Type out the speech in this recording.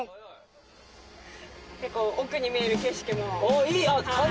結構奥に見える景色も。